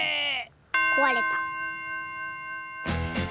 こわれた。